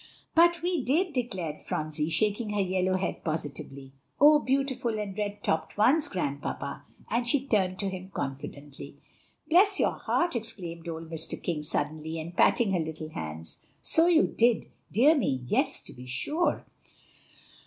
"But we did," declared Phronsie, shaking her yellow head positively "oh! beautiful red topped ones, Grandpapa;" and she turned to him confidingly. "Bless your heart!" exclaimed old Mr. King suddenly, and patting her little hands, "so you did; dear me, yes, to be sure."